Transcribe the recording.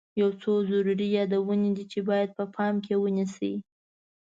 یو څو ضروري یادونې دي چې باید په پام کې ونیسئ.